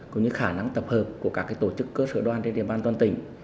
cũng như khả năng tập hợp của các tổ chức cơ sở đoàn trên địa bàn toàn tỉnh